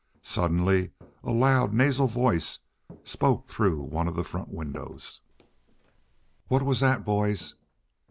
Suddenly a loud, nasal voice spoke through one of the front windows: "What was that, boys?"